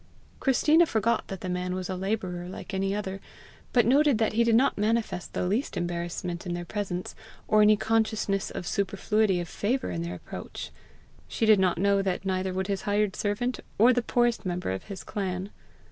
Christina forgot that the man was a labourer like any other, but noted that he did not manifest the least embarrassment in their presence, or any consciousness of a superfluity of favour in their approach: she did not know that neither would his hired servant, or the poorest member of his clan.